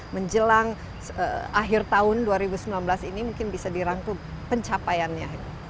menjelang akhir tahun dua ribu sembilan belas ini mungkin bisa dirangkul pencapaiannya